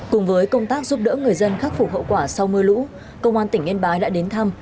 cùng với công tác giúp đỡ người dân khắc phục hậu quả sau mưa lũ công an tỉnh yên bái đã đến thăm